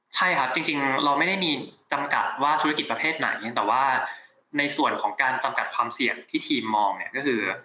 ใช่ครับจริงเราไม่ได้มีจำกัดว่าธุรกิจประเภทไหนแต่ว่าในส่วนของการจำกัดความเสี่ยงที่ทีมมองเนี่ยก็คือ